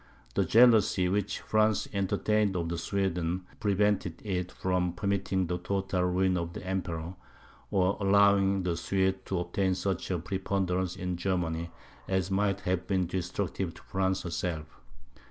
The jealousy which France entertained of Sweden, prevented it from permitting the total ruin of the Emperor, or allowing the Swedes to obtain such a preponderance in Germany, as might have been destructive to France herself.